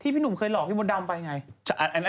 ที่พี่หนูเคยหลอกที่บนดำไปไง